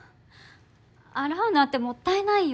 洗うなんてもったいないよ。